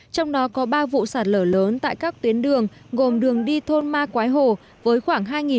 trong đó có ba vụ sạt lở lớn tại các tuyến đường gồm đường đi thôn ma quái hồ với khoảng